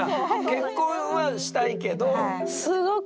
結婚はしたいけど。